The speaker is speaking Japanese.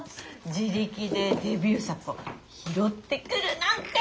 自力でデビュー作を拾ってくるなんて。